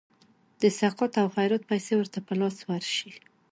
د سقاط او خیرات پیسي ورته په لاس ورشي.